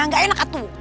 nggak enak atuh